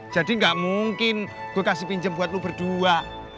jadi gak mungkin gue kasih pinjem buat lu berdua